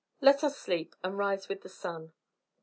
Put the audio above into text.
Let us sleep, and rise with the sun."